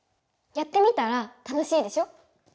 やってみたら楽しいでしょ。